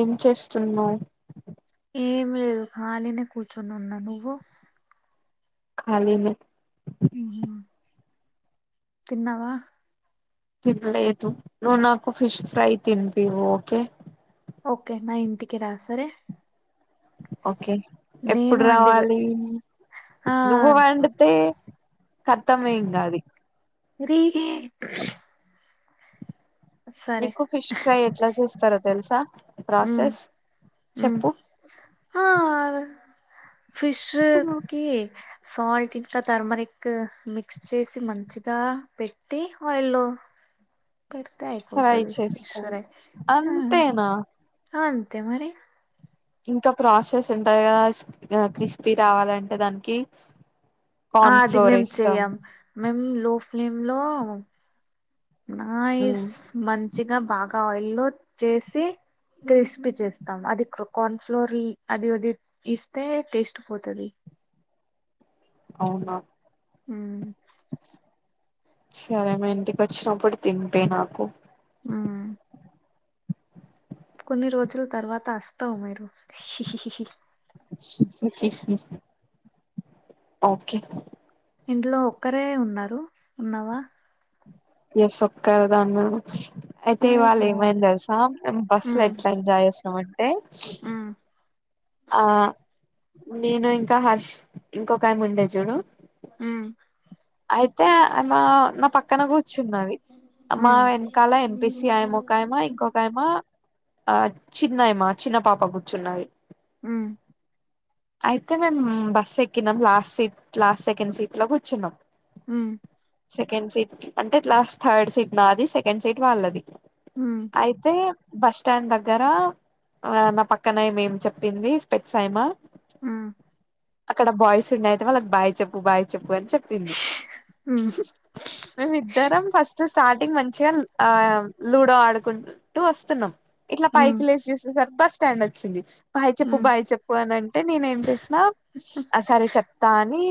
ఏం చేస్తున్నావ్ ఏం లేదు ఖాళీనే కూర్చొని ఉన్నా నువ్వు ఖళీనే తిన్నావా తన్లేదు నువ్ నాకు ఫిష్ ఫ్రై తినిపివు ఓకే ఓకే మా ఇంటికి రా సరే ఓకే నేను ఎప్పుడు అండి రావాలి ఆ నువ్వు వండితే కతమే ఇంగ అది రీ గే నీకు ఫిష్ ఫ్రై ఎట్లా చేస్తారో తెలుసా ఉమ్ ప్రాసెస్ ఉమ్ చెప్పు ఫిశృకి సాల్ట్ ఇంకా థర్మరిక్ మిక్స్ చేసి మంచిగా పెట్టి ఆయిల్లో పెడితే ఫ్రై ఆయిపోతది స్ చేస్తాను షోరై ఆ అంతేనా అంతే మరి ఇంకా ప్రాసెస్ ఉంటది కదా ఆ క్రిస్పీ రావాలంటే దానికి ఆ కార్న్ అది ఫ్లోర్ మేం వేస్తాం చెయం మేమ్ లో ఫెమ్ లో ఆ మ్మ్ ఇస్ మన్ మంచిిగా బాగా ఆయిల్ లో చేసి క్రిస్పీ చేస్తాం అది కార్న్ ఫ్లోర్ అది అది ఇస్తే టేస్ట్ పోతది అవునా హుమ్మ్ సరే మీ ఇంటికి వచ్చినప్పుడు తినిపియ్ నాకు మ్మ్ కొన్ని రోజుల తర్వాత వస్తారు మీరు ఓకే ఇంట్లో ఒక్కరే ఉన్నారా ఎమ్ సర్కార్ దాని గురించి అయితే ఇవాళ ఓహో ఏమైంది తెలుసా మేమ్ బస్ లా మ్మ్ ఎట్లా ఎంజాయ్ చేసామంటే మ్మ్ ఆ నేను ఇంకా హర్ష్ ఇంకొకా ఆమె ఉండే చూడు మ్మ్ అయితే ఆమె నా పక్కన కూర్చున్నది మా మ్మ్ వెనకాల ఎంపిసి అమ్మాయి ఒకామె ఇంకొకఆమె ఆ చిన్న ఆమె చిన్న పాప కూర్చున్నది మ్మ్ అయితే మేము బస్ ఎక్కినం last seat last second seat లో కూర్చున్నాం హ్మ్మ్ సెకండ్ సీట్ అంటే లాస్ట్ థర్డ్ సీట్ నాది సెకండ్ సీట్ వాళ్ళది మ్మ్ అయితే బస్ స్టాండ్ దగ్గర నా పక్కన ఏమేమ్ చెప్పింది స్పెట్స్ ఆమె మ్మ్ అక్కడ బాయ్స్ ఉంటే వాళ్ళకి బాయ్ చెప్పు బాయ్ చెప్పు అని చెప్పింది మ్మ్ మేమిద్దరం ఫస్ట్ స్టార్టింగ్ మంచిగా ఆ లూడో ఆడుకుంటూ వస్తున్నాం ఇట్లా మ్మ్ పైకి లేసి చూసే సరికి బస్ స్టాండ్ వచ్చింది బాయ్ చెప్పు మ్మ్ బాయ్ చెప్పు అని అంటే నేను ఏం చేసినా ఆ సరే చెప్తా అని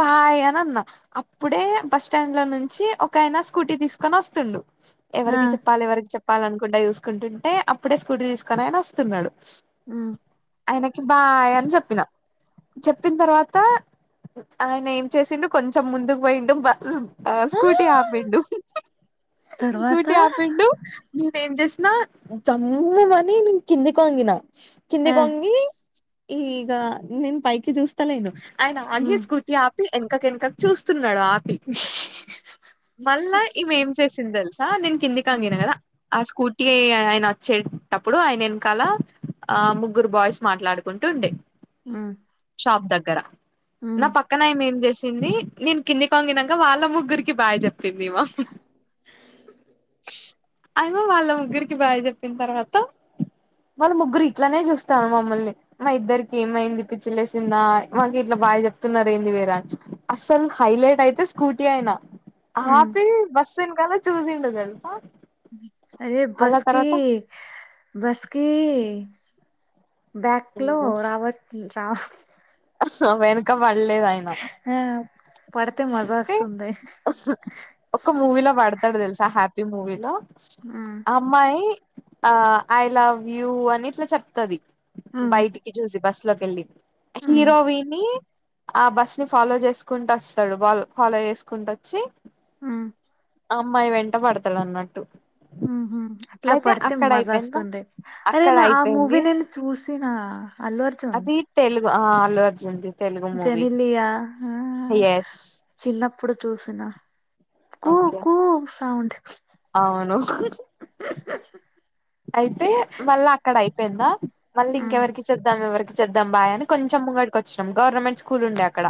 బాయ్ అని అన్నం అప్పుడే బస్ స్టాండ్ నుంచి ఒకైనా స్కూటీ తీసుకొని వస్తుండు ఆ ఎవరికి చెప్పాలి ఎవరికి చెప్పాలి అని అనుకుంటా చూసుకుంటుంటే అప్పుడే స్కూటీ తీసుకొని ఆయన వస్తున్నాడు ఆ ఆయనకి బాయ్ అని చెప్పిన చెప్పిన తర్వాత ఆయన ఏం చేసిండు కొంచెం ముందుకు పోయిండు ఆ స్కూటీ ఆపిండు తర్వాత స్కూటీ ఆపిండు నేనేమ్ చేసిన జల్లుమని నేను కిందికి వంగినా ఆ కిందికి వంగి ఈగ నేను పైకి చూస్తాలేను ఆయన ఆగి మ్మ్ స్కూటీ ఆపి ఎనకకేనకకు చూస్తున్నా డు ఆపి మళ్ళా ఇమేం చేసింద తెలుసా నేను కిందికి ఉమ్ వంగిన కదా ఆ స్కూటీ ఆయన వచ్చేటప్పుడు ఆయన వెనకాల ఆ ముగ్గురు బాయ్స్ మాట్లాడుకుంటూ ఉండే మ్మ్ హ్ షాప్ దగ్గర నా పక్కన ఆమె ఏం చేసింది నేను కింది వంగినంక వాళ్ళ ముగ్గురికి బాయ్ చెప్పినా చెప్పితివా అయిన వాళ్ళ ముగ్గురికి బాయ్ చెప్పిన తర్వాత వాళ్ళు ముగ్గురు ఇట్లనే చూస్తాన్రు మమ్మల్ని మా ఇద్దరికి ఏమైంది పిచ్చిలేసిందా అని మాకు ఇట్లా బాయ్ చెప్తున్నారు ఏంది వీరని అస్సలు హైలైట్ అయితే స్కూటీ అయనా ఉమ్ ఆపి బస్సు వెనకాల చూసిండు తెలుసా అదే మళ్ళా బస్కి తర్వాత బస్కి బ్యాంకు లో రావట్లే వెనకాల పడలేదు ఆయన ఆ పడితే మజ అంటే వస్తుంది ఒక మూవీలో పడతాడు తెలుసా హ్యాపీ మూవీలో ఉమ్ అమ్మాయి ఆ ఐ లవ్ యూ అని ఇట్లా చెప్తది ఉమ్ బయటికి చూసి బస్ లలోకి వెళ్ళింది ఉమ్ హీరోయిని ఆ బస్ ని ఫాలో చేసుకుంటూ వస్తాడు బా ఫాలో చేసుకుంట వచ్చి ఆ అమ్మాయి వెంట పడతాడు అన్నట్టు ఉహ అట్లా అయితే పడితే అక్కడ మజ్ అయిపోయిందా వస్తుండే అరే అక్కడ నా ఆ అయిపోయింది మూవీ నేను చూసిన అల్లు అర్జున్ అ అల్లు అర్జున్ ది జనిలియా ఎస్ చిన్నప్ప అప్పుడు చూసిన కూ ఓకే కూ సౌం అవును చ్చ యిందా మళ్ళీ ఉమ్ ఇంకెవరికి చేద్దాం ఎవరికి చేద్దాం బాయ అని కొంచెం ముంగడికి వచ్చినాం గవర్నమెంట్ స్కూల్ ఉండే అక్కడ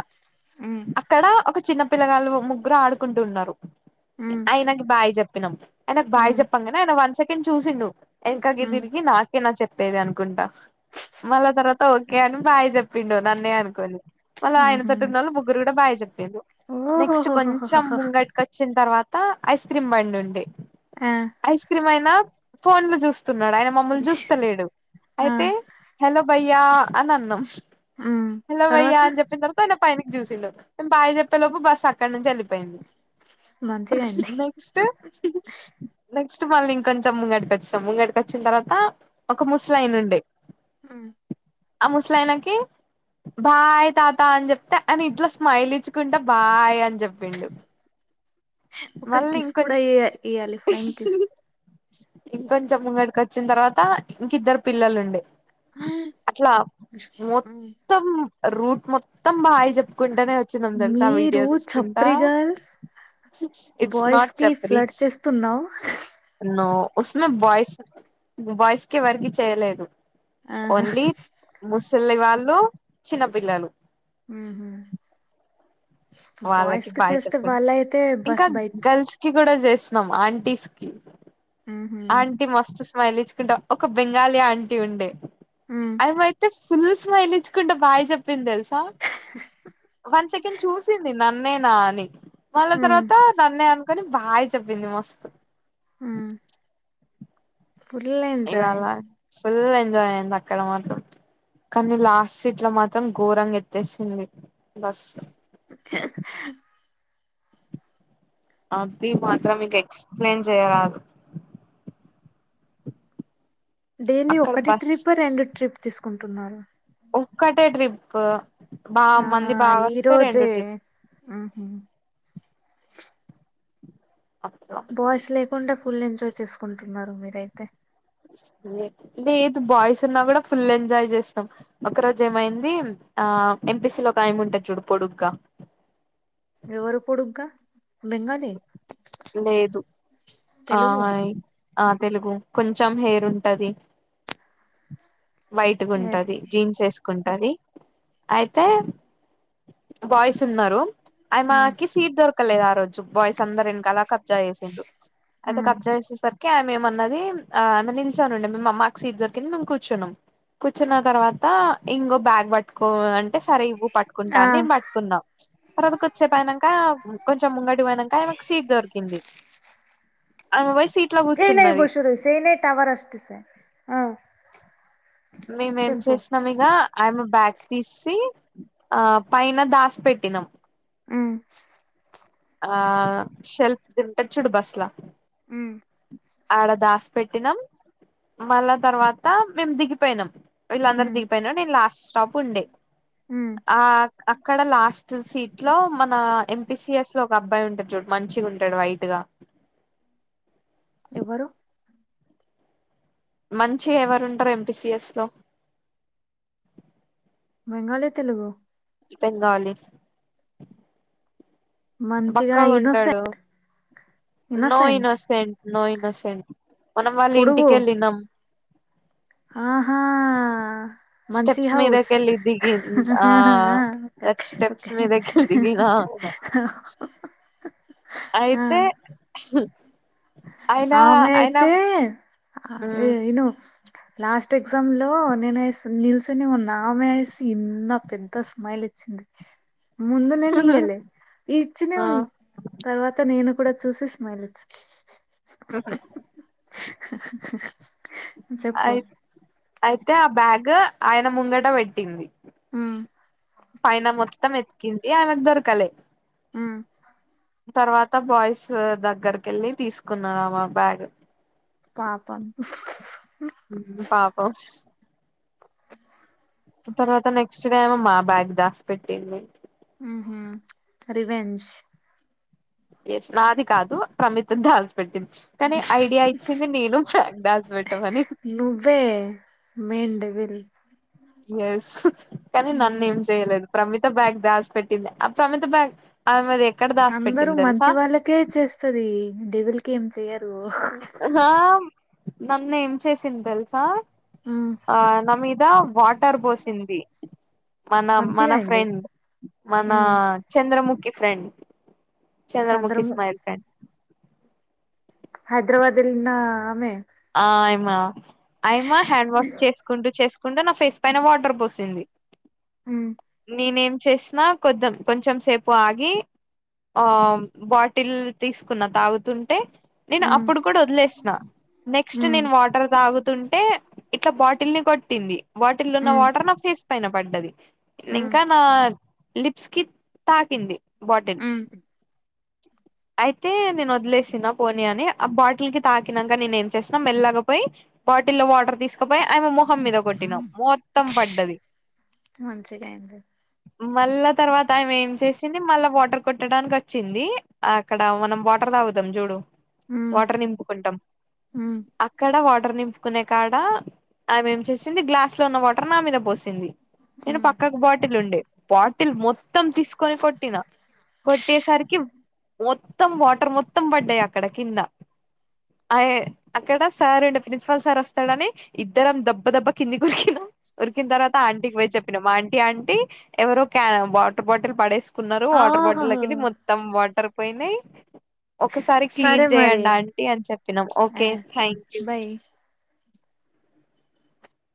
ఉమ్ అక్కడ ఒక చిన్న పిల్లగాలు ముగ్గురు ఆడుకుంటు ఉన్నారు ఉమ్ ఆయనకి బాయ్ చెప్పినాం ఆయనకు బావి ఉమ్ చెప్పాం కద ఆయన వన్ సెకండ్ చూసి నువ్వు ఉమ్ ఎంకాగదిరికి నాకే నా చెప్ప చెప్పేది అనుకుంటా మళ్ళా తర్వాత ఓకే అని బాయ్ చెప్పిండడు నన్నే అనుకొని మళ్ళ ఉహు ఆయనతోటి ఉన్న వాళ్ళు ముగ్గురు కూడా బాగా చెప్పిారు నెక్స్ట్ కొంచెం ఓహోహోహోహోహో ముంగటికి వచ్చిన తర్వాత ఐస్ క్రీమ్ బండి ఉండే ఆ ఐస్ క్రీమ్ అయినా ఫోన్ లో చూసి స్తున్నాడు ఆయన మమ్మల్ని చూస్తలేడు ఆ అయితే హలో భయ్యా అని అన్నాం ఉమ్ హలో భయ్యా తర్వాత అని చెప్పిన తర్వాత పైననికి చూసిళ్ళదు మేము బాయ్ చెప్పే లోపు బస్సు అక్కడి నుంచి వెళ్లిపోయింది మంచిగా అండి నెక్స్ట్ నెక్స్ట్ మళ్ళీ ఇంకొంచెం ముంగడికి వచ్చినాం ముంగటికి వచ్చిన తర్వాత ఒక ముసలాయన ఉండిడే ఆ ఆ ముసలైనాకి బాయ్ తాత అని చెప్తే అని ఇట్లా స్మైల్ ఇచ్చుకుంటే బాయ్ అని చెప్పిండు ఒక మళ్ళీ కిస్ ఇంకొం కూడా ఇయ ఇయ్యాలి ఫ్లయింగ్ కిస్ ఇంకొంచెం ముంగడికి వచ్చిన తర్వాత ఇంకద్దరు పిల్లలు ఉండే అట్లా మొత్తం రూట్ మొత్తం బాయ్ చెప్పుకుంటానే వచ్చిందాం తెలుసా ఆ మీరు వీడియో తీసుకుంటా చప్రి గర్ల్స్ ఇట్స్ బాయ్స్ నాట్ కి చెప్ ఫ్లడ్ రిచ్ చేస్తున్నావు నో ఉసినవాయిస్ వాయిస్ కీ వరకు చేయలేదు ఆహా చెల్లి వాళ్ళు చిన్నపిల్లలు హ్మ్ హ్మ్ వాళ్ళకి బాయ్ చెప్పుంట అయితే ఇంకా బస్ బయట గర్ల్స్ కి కూడా చేస్తున్నాం ఆంటీ స్కి ఉహు ఆంటీ మస్తు స్మైల్ ఇచ్చుకుంటా ఒక బెంగాలీ ఆంటీ ఉండే ఉమ్ అమైతే ఫుల్ స్మైల్ ఇచ్చుకుంటే బాయ్ చెప్పింది తెలుసా వన్ సెకండ్ చూసి వంది నన్నేనా అని మళ్ళా ఉమ్ తర్వాత నన్నే అనుకొని బాయ్ చెప్పింది మస్తు మ్మ్ ఫుల్ల్ ఎంజాయ్ ఇవాళ ఫుల్ ఎంజాయ్ అయింది అక్కడ మాత్రం కానీ లాస్ట్ సీట్ లో మాత్రం ఘోరంగా ఎత్తేసింది బస్ [unintelligible] అది మాత్రం మీకు ఎక్స్ప్లెయిన్ చేయరాదు డైలీ అక్కడ ఒకటి బస్ ట్రిప్ రెండు ట్రిప్ తీసుకుంటున్నారు ఒక్కటే ట్రిప్ బా మంది ఆహా బాగా ఈ వస్తే రెండు రోజే ట్రిప్ ఆహ అట్లా బాయ్స్ లేకుండా ఫుల్ ఎంజాయ్ చేసుకుంటున్నారు మీరైతే లేదు బాయ్స్ ఉన్నా కూడా ఫుల్ ఎంజాయ్ చేసాం ఒక రోజు ఏమైంది ఆ ఎంపిసీ లో ఒక ఆయమి ఉంటారు చూడు పొడుగ్గా ఎవరు పడుగా బెంగానీ లేదు తెలుగు ఆయి ఆ తెలుగు కొంచెం హెయిర్ ఉంటది ఏ వైట్గుంటది జీన్స్ ఏసుకుంటది అయితే బాయ్స్ ఉన్నారు ఆయ మ్ మాకి సీట్ దొరకలేదు ఆ రోజు బాయ్స్ అందర ఎన్ కాల కబ్జా చేసిన్రు అయితే మ్ కబ్జా చేసేసరి కే అమెమన్నది ఆ నిల్చొనుండె మేమ్ మాకు సీట్ దొరికింది మేము కూర్చున్నాం కూర్చున్న తర్వాత ఇంగో బ్యాగ్ పట్టుకో అన్ అంటే సరే ఇవ్వు పట్టుకుంటా ఆ నేను పట్టుకున్నా తర్వాత కొంచేపయినంక కొంచెం ముంగటి పోయినంక ఆయమకు సీట్ దొరికింది ఆమె పొయ్ చైనయి బషూరుయి సయినేై టవర్ అస్ స ఆ మేమేం చెప్పు చేసినం ఇగ ఆయమ్మ బ్యాగ్ తీసి ఆ పైన దాసి పెట్టినాం మ్మ్ ఆ శెల్ఫదుంటది చూడు బస్లా మ్మ్ ఆడ దాసి పెట్టినాం మళ్ళా తర్వాత మేము దిగిపోయినం వీళ్ళందరు మ్ దిగిపోయినా నేను లాస్ట్ స్టాప్ ఉండే మ్ ఆ అక్కడ లాస్ట్ టు సీట్ లో మన ఎంపీసిఎస్ లో ఒక అబ్బాయి ఉంటాడు చూడు మంచిగుంటాడు వైట్గా ఎవ్వరు మంచిగ ఎవరు ఉంటారు ఎంపి సి ఎస్ లో బెంగాలీ తెలుగు బెంగాలి మంచిగా ఇనోసె బక్కగుంటాడు no innocent innocent no innocent మనం వాళ్ళ పొడుగు ఇంటికెళ్ళినాం ఆహా మంచి స్టెప్స్ హౌస్ మీదకెల్ దిగి ఆ ఓకే స్టెప్స్ ఓకే మీదకెల్ దిగినా ఆ అయితే అయన ఆమె అయన అయితే ఆ ఏ ఇను లాస్ట్ ఎగ్జామ్ లో నేను ఎస్ నిల్చొని ఆమె వేసి ఇన్న పెద్ద స్మైల్ ఇచ్చింది ముందు నేను ఇయ్యాలే ఇచ్చినే ఆ ఉన్న తర్వాత నేను కూడా చూసి స్మైల్ ఇచ్ చెప్పు అయి అయితే ఆ బ్యాగ్ ఆయన ముంగట పెట్టింది మ్మ్ పైన మొత్తం ఎతికింది ఆమెకు దొరకలే మ్మ్ తర్వాత బాయ్స్ దగ్గరకెళ్ళి తీసుకున్నారు ఆ మా బ్యాగ్ పాపం పాపం తర్వాత నెక్స్ట్ డే ఏమో మా బ్యాగ్ దాసి పెట్టింది మ్మ్ హ్మ్ రివెంజ్ ఎస్ నాది కాదు ప్రమిత్ ది దాస్ పెట్టింది కానీ ఐడియా ఇచ్చింది నేను బ్యాగ్ దాసి పెట్టమని నువ్వే మెయిన్ డెవిల్ ఎస్ కానీ నన్నేం చేయలేదు ప్రమిత బ్యాగ్ దాస్ పెట్టింది ఆ ప్రమిత బ్యాగ్ అమెది ఎక్ అందరు మంచి వాళ్ళకే చేస్తది డెవిల్కి ఏం చెయ్యరు హ నన్ని ఏం చేసింది తెలుసా మ్మ్ ఆ న మీద వాటర్ పోసింది మనం మంచిగ మన అయింది ఫ్రెండ్ మన మ్మ్ చంద్రముఖి ఫ్రెండ్ చంద్రముఖీ చంద్రము స్మాయిల్ ఫ్రెండ్ హైదరాబాద్ తిరిగిన్న ఆమె ఆయమ్మ ఆయమ్మ హ్యాండ్ వాష్ చేసుకుంటూ చేస్ కుండ నా ఫేస్ పైన వాటర్ పోసింది హ్మ్ నేనేం చేసినా కొద్దం కొంచం సేపు ఆగి ఆ బాటిల్ తీసుకున్న తాగుతుంటే నేను మ్మ్ అప్పుడు కూడా వదిలేసిన నెక్స్ట్ మ్మ్ నేను వాటర్ తాగు తుంటే ఇట్లా బాటిల్ ని కొట్టింది బాటిల్ ఉన్న మ్మ్ వాటర్ నా ఫేస్ పైన పడ్డది మ్మ్ ఇంకా నా లిప్స్ కి తాకింది బాటిల్ మ్మ్ అయితే నేను వదిలేసిన పోనీ అని ఆ బాటిల్ కి తాకినాక నేనేం చేసినా మెల్లగాపోయి బాటిల్లో వాటర్ తీస్ ఇకపై ఆమె మొహం మీద కొట్టినాం మొత్తం పడ్డది మంచిగ అయింది మళ్ళా తర్వాత ఆయమె ఏం చేస్ వచ్చింది మళ్ళా వాటర్ కొట్టడానికి వచ్చింది అక్కడ మనం వాటర్ తాగుతాం చూడు మ్మ్ వాటర్ నింపుకుంటాం మ్మ్ అక్కడ వా వాటర్ నింపుకునే కాడ ఆమె ఏం చేసింది గ్లాస్ లో ఉన్న వాటర్ నా మీద పోసింది నేను మ్మ్ పక్కకు బాటిల్ ఉండే బాటిల్ మొత్తం తీసుకొని కొట్టినా కొట్టేసరికి మొత్తం వాటర్ మొత్తం పడ్డాయి అక్కడ కింద అయే అక్కడ సార్ రుండే ప్రిన్సిపాల్ సార్ వస్తాడని ఇద్దరం దబ్బ దబ్బ కింది ఊరికినాం ఉరికిన తర్వాత ఆంటీకి పోయి చెప్పినాం మా ఆంటీ ఆంటీ ఎవరో క్యాన్ వాటర్ బాటిల్ పడేస్ కున్నారు వాటర్ ఓహో బాటిల్ కెళ్ళి మొత్తం వాటర్ పోయినాయి ఒకసారి సరే క్లీన్ మరి చేయండి ఆంటీ అని చెప్పినాం ఆ ఓకే థ్యాంక్ యూ బాయ్